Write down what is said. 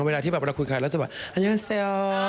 เวลาที่แบบเราคุยกันแล้วจะแบบอันยาเซอร์